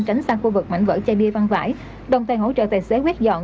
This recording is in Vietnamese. tránh sang khu vực mảnh vỡ chai bia văng vải đồng tay hỗ trợ tài xế quyết dọn